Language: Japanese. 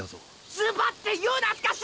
ズバって言うなスカシ！！